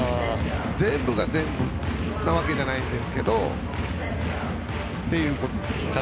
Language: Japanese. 全部が全部なわけじゃないんですがということです。